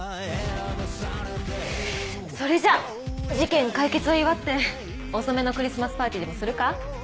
それじゃあ事件解決を祝って遅めのクリスマスパーティーでもするか？